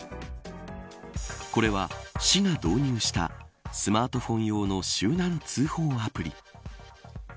これは、市が導入したスマートホン用のしゅうなん通報アプリ。